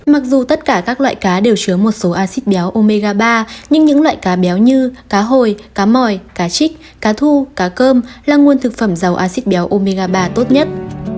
mặc dù tất cả các loại cá đều chứa một số acid béo omega ba nhưng những loại cá béo như cá hồi cá mỏi cá trích cá thu cá cơm là nguồn thực phẩm giàu acid béo omiga ba tốt nhất